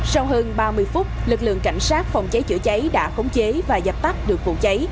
sau hơn ba mươi phút lực lượng cảnh sát phòng cháy chữa cháy đã khống chế và dập tắt được vụ cháy